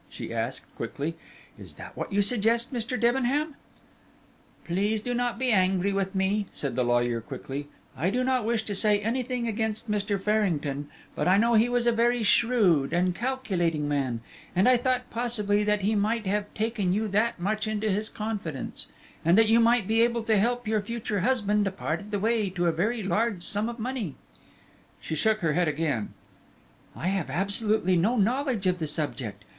she asked, quickly. "Is that what you suggest, Mr. Debenham?" "Please do not be angry with me," said the lawyer, quickly; "I do not wish to say anything against Mr. Farrington; but I know he was a very shrewd and calculating man, and I thought possibly that he might have taken you that much into his confidence, and that you might be able to help your future husband a part of the way to a very large sum of money." She shook her head again. "I have absolutely no knowledge of the subject.